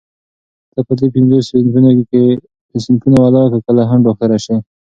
ته په دې پينځو صنفونو ولاکه کله هم ډاکټره شې.